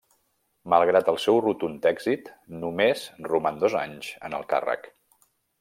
Malgrat el seu rotund èxit, només roman dos anys en el càrrec.